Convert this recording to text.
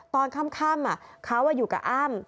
ตอนค่ำเขาอยู่กับอ้ำ